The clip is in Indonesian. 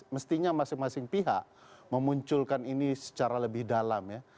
mestinya masing masing pihak memunculkan ini secara lebih dalam ya